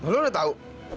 lo udah tau